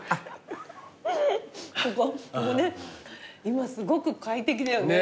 今すごく快適だよね。